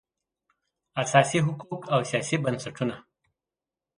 اساسي حقوق او سیاسي بنسټونه